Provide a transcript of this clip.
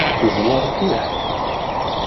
Teẓwer mliḥ.